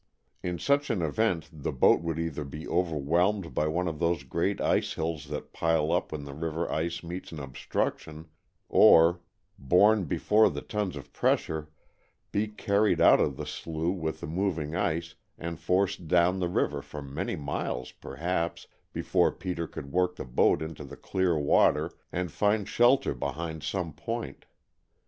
In such an event the boat would either be overwhelmed by one of those great ice hills that pile up when the river ice meets an obstruction or, borne before the tons of pressure, be carried out of the slough with the moving ice and forced down the river for many miles, perhaps, before Peter could work the boat into clear water and find shelter behind some point.